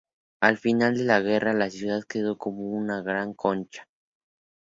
Al final de la guerra la ciudad quedó como una gran concha.